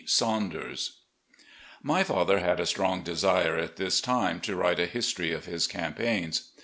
SAUNDERS My father had a strong desire at this time to write a history of his campaigns.